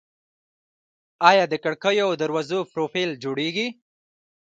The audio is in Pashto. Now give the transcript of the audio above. آیا د کړکیو او دروازو پروفیل جوړیږي؟